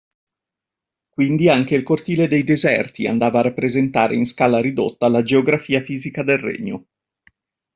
Quindi anche il cortile dei Deserti andava a rappresentare in scala ridotta la geografia fisica del regno.